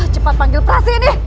cepat panggil prah sini